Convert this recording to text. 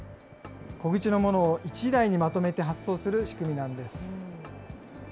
小口のものを１台にまとめて発送する仕組みなんです。